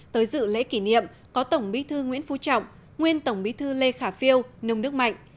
tới dự lễ kỷ niệm có tổng bí thư nguyễn phú trọng nguyên tổng bí thư lê khả phiêu nông đức mạnh